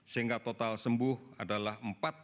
sehingga total sembuh adalah empat puluh enam